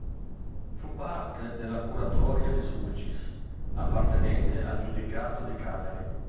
Fu parte della curatoria di Sulcis, appartenente al Giudicato di Cagliari.